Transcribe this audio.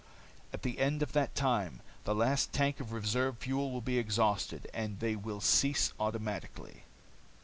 "At the end of that time the last tank of reserve fuel will be exhausted, and they will cease automatically.